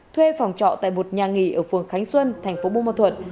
thuê phòng trọ tại một nhà nghỉ ở phường khánh xuân thành phố bù ma thuật